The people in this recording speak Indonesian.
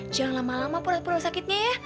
jangan lama lama pura pura sakitnya ya